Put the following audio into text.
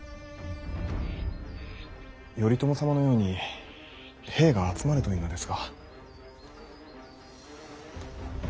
頼朝様のように兵が集まるといいのですが。